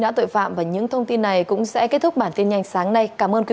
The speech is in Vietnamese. truy nã tội phạm và những thông tin này cũng sẽ kết thúc bản tin nhanh sáng nay